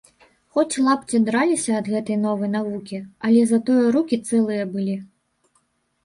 Хоць лапці драліся ад гэтай новай навукі, але затое рукі цэлыя былі.